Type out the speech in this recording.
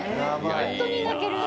ホントに泣ける。